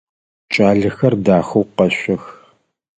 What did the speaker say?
Кӏалэхэр дахэу къэшъох.